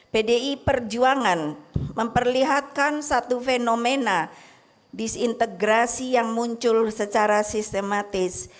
pdi perjuangan memperlihatkan satu fenomena disintegrasi yang muncul secara sistematis